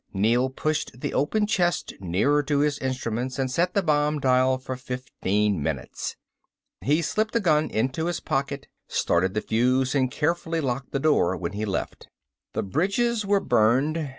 Neel pushed the open chest nearer to his instruments and set the bomb dial for fifteen minutes. He slipped the gun into his pocket, started the fuse, and carefully locked the door when he left. The bridges were burned.